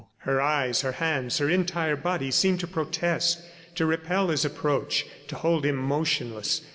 Her eyes, her hands, her entire body seemed to protest, to repel his approach, to hold him motionless.